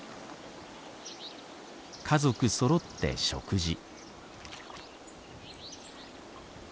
家族そろって食事。